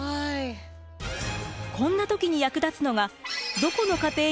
こんな時に役立つのがどこの家庭にもある